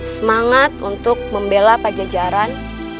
semangat untuk membela pajajaran